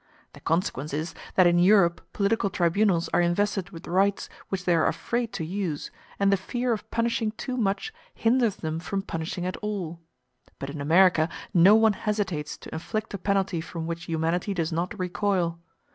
The consequence is that in Europe political tribunals are invested with rights which they are afraid to use, and that the fear of punishing too much hinders them from punishing at all. But in America no one hesitates to inflict a penalty from which humanity does not recoil.